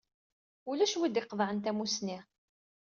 Ulac win i d-iqeḍɛen tamusni.